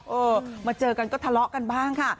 เออมาเจอกันก็ทะเลาะกันบ้างค่ะ